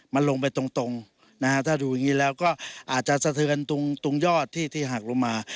มันลงไปตรงนะฮะถ้าดูอย่างนี้แล้วก็อาจจะสะเทือนตรงยอดที่หักลงมา